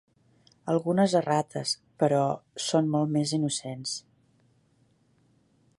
Algunes errates, però, són molt més innocents.